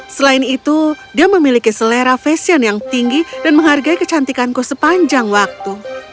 selain itu dia memiliki selera fashion yang tinggi dan menghargai kecantikanku sepanjang waktu